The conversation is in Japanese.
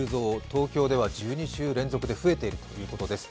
東京では１２週連続で増えているということです。